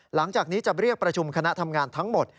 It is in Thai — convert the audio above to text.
หลังจากนี้จะเรียกประชุมคณะทำงานทั้งหมด